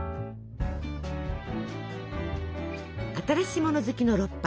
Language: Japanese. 新しもの好きのロッパ。